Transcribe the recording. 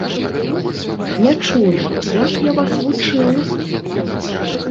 Не чую, як я вас вучыў?